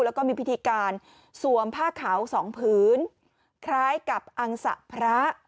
แล้วก็มีพิธีการสวมผ้าขาวสองพื้นคล้ายกับอังสะพระ